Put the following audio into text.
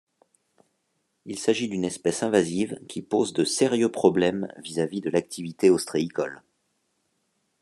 Il s'agit d'une espèce invasive qui pose de sérieux problèmes vis-à-vis de l'activité ostréicole.